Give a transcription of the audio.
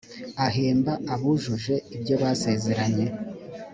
ahemba abujuje ibyobasezeranye.